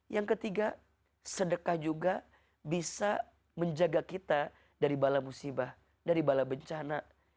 yang ketiga sedekah juga bisa menjaga kita dari bala musibah dari bala bencana